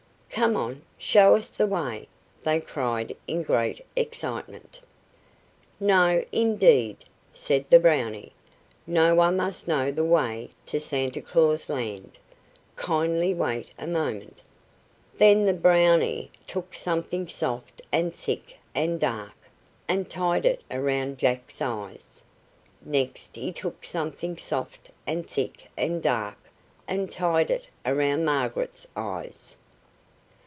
"Come on, show us the way!" they cried in great excitement. "No, indeed," said the Brownie. "No one must know the way to Santa Claus Land. Kindly wait a moment." Then the Brownie took something soft and thick and dark, and tied it around Jack's eyes. Next he took something soft and thick and dark, and tied it around Margaret's eyes.